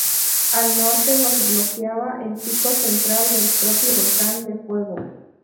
Al norte los bloqueaba el pico central del propio volcán de Fuego.